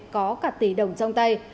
có cả tỷ đồng trong tay